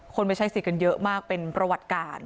ไปใช้สิทธิ์กันเยอะมากเป็นประวัติการ